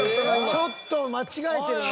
［ちょっと間違えてるな］